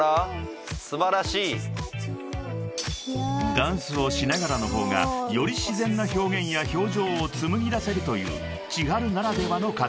［ダンスをしながらの方がより自然な表現や表情を紡ぎ出せるというｃｈｉｈａｒｕならではの形］